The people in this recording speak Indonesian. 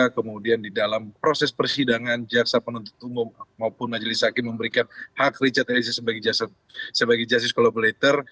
kemudian di dalam proses persidangan jaksa penuntut umum maupun majelis hakim memberikan hak richard eliezer sebagai justice collaborator